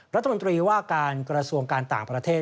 รัฐมนตรีว่าการกระทรวงการต่างประเทศ